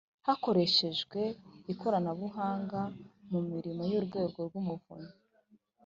hakoreshejwe ikoranabuhanga mu mirimo y’urwego rw’umuvunyi.